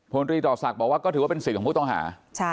ตรีต่อศักดิ์บอกว่าก็ถือว่าเป็นสิทธิ์ของผู้ต้องหา